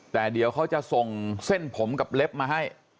แต่เดี๋ยวเขาจะส่งเส้นผมกับเล็บมาให้